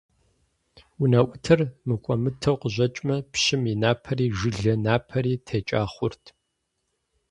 УнэӀутыр мыкӀуэмытэу къыщӀэкӀмэ, пщым и напэри, жылэ напэри текӀа хъурт.